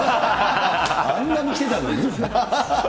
あんなに着てたのに？